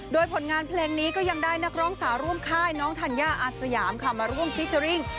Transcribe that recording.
โดยผลงานเพลงนี้ก็ยังได้นักร้องสาวร่วมค่ายน้องธัญญาอาสยามค่ะมาร่วมฟิเจอร์ริ่ง